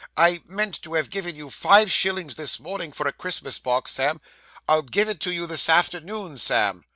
I meant to have given you five shillings this morning for a Christmas box, Sam. I'll give it you this afternoon, Sam.